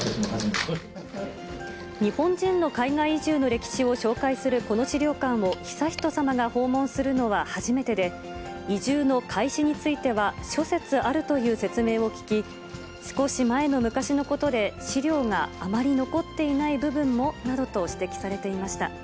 日本人の海外移住の歴史を紹介するこの資料館を悠仁さまが訪問するのは初めてで、移住の開始については諸説あるという説明を聞き、少し前の昔のことで、資料があまり残っていない部分も？などと指摘されていました。